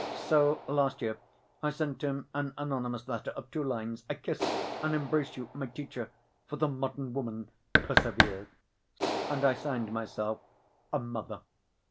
So last year I sent him an anonymous letter of two lines: 'I kiss and embrace you, my teacher, for the modern woman. Persevere.' And I signed myself, 'A Mother.